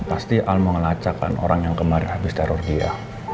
pasti al mau ngelacak kan orang yang kemarin habis teror dia